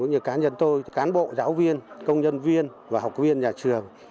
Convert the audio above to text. như cá nhân tôi cán bộ giáo viên công nhân viên và học viên nhà trường